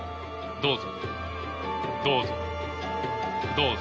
どうぞ。